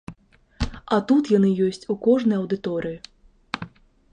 А тут яны ёсць у кожнай аўдыторыі.